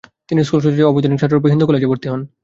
তিনি স্কুল সোসাইটির অবৈতনিক ছাত্ররূপে হিন্দু কলেজে ভর্তি হন।